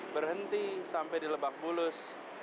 berhenti sampai dilebak bulus